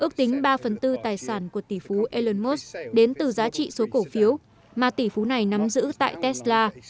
ước tính ba phần tư tài sản của tỷ phú elon musk đến từ giá trị số cổ phiếu mà tỷ phú này nắm giữ tại tesla